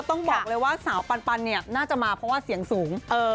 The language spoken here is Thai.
ต้องบอกเลยว่าสาวปันเนี่ยน่าจะมาเพราะว่าเสียงสูง